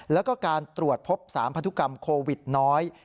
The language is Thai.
แล้วก็การตรวจพบ๓พันธุกรรมโควิดน้อย